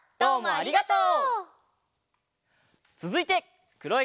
ありがとう。